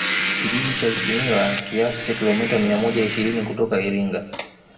Kijiji cha Isimila kiasi cha Kilomita mia moja ishirini kutoka Iringa